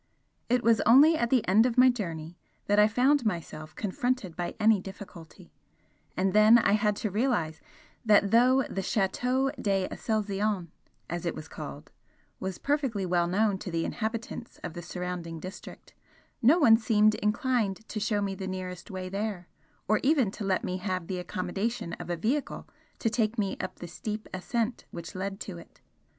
It was only at the end of my journey that I found myself confronted by any difficulty, and then I had to realise that though the 'Chateau d'Aselzion,' as it was called, was perfectly well known to the inhabitants of the surrounding district, no one seemed inclined to show me the nearest way there or even to let me have the accommodation of a vehicle to take me up the steep ascent which led to it.